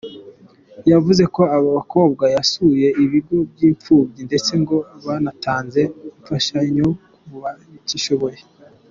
Yavuze ko aba bakobwa basuye ibigo by’impfubyi ndetse ngo banatanze imfashanyo ku batishoboye.